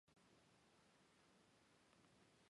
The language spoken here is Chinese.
东北长鞘当归是伞形科当归属长鞘当归的变种。